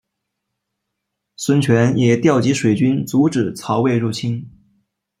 孙权也调集水军阻止曹魏入侵。